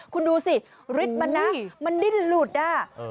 คุณดูสิฤทธิ์มันนะมันดิ้นหลุดอ่ะ